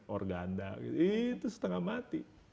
organda itu setengah mati